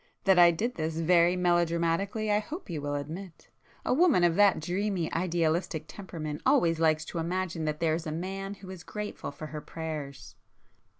That I did this very melodramatically I hope you will admit? A woman of that dreamy idealistic temperament always likes to imagine that there is a man who is grateful for her prayers!"